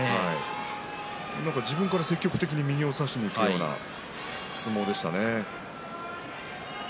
自分から積極的に右を差していくような相撲でした。